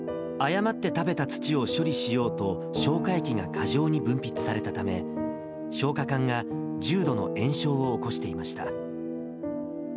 誤って食べた土を処理しようと、消化液が過剰に分泌されたため、消化管が重度の炎症を起こしていました。